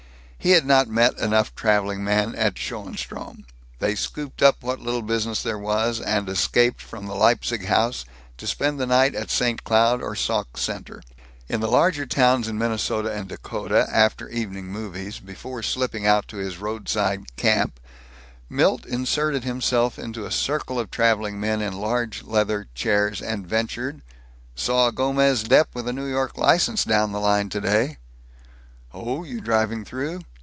He had not met enough traveling men at Schoenstrom. They scooped up what little business there was, and escaped from the Leipzig House to spend the night at St. Cloud or Sauk Centre. In the larger towns in Minnesota and Dakota, after evening movies, before slipping out to his roadside camp Milt inserted himself into a circle of traveling men in large leather chairs, and ventured, "Saw a Gomez Dep with a New York license down the line today." "Oh. You driving through?"